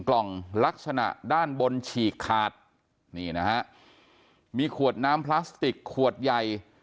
กล่องลักษณะด้านบนฉีกขาดนี่นะฮะมีขวดน้ำพลาสติกขวดใหญ่